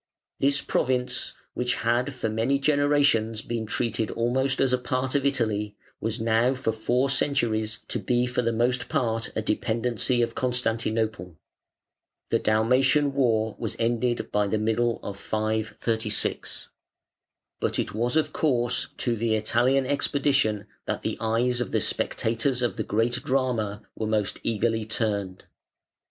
This province, which had for many generations been treated almost as a part of Italy, was now for four centuries to be for the most part a dependency of Constantinople. The Dalmatian war was ended by the middle of 536. But it was of course to the Italian expedition that the eyes of the spectators of the great drama were most eagerly turned.